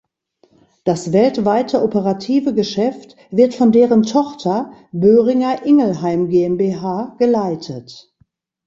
Das weltweite operative Geschäft wird von deren Tochter "Boehringer Ingelheim GmbH" geleitet.